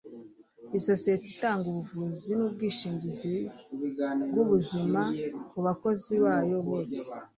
isosiyete itanga ubuvuzi nubwishingizi bwubuzima kubakozi bayo bose